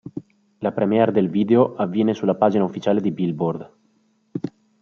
La premiere del video avviene sulla pagina ufficiale di Billboard.